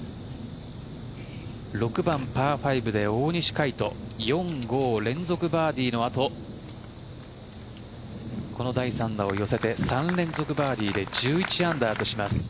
６番、パー５で大西魁斗４、５連続バーディーのあとこの第３打を寄せて３連続バーディーで１１アンダーとします。